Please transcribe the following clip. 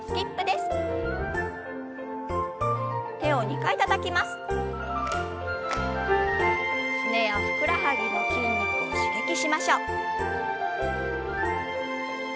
すねやふくらはぎの筋肉を刺激しましょう。